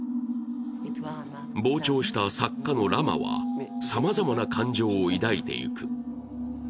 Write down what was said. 傍聴した作家のラマはさまざまな感情を抱いていく。